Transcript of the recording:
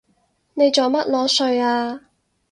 你做乜裸睡啊？